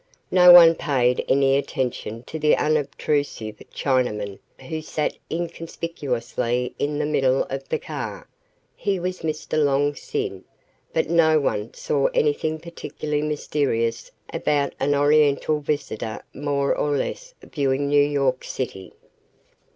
No one paid any attention to the unobtrusive Chinaman who sat inconspicuously in the middle of the car. He was Mr. Long Sin, but no one saw anything particularly mysterious about an oriental visitor more or less viewing New York City.